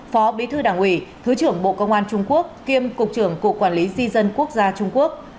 phó bí thư đảng ủy thứ trưởng bộ công an trung quốc kiêm cục trưởng cục quản lý di dân quốc gia trung quốc